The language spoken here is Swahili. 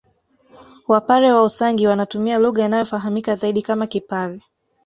Wapare wa Usangi wanatumia lugha inayofahamika zaidi kama Kipare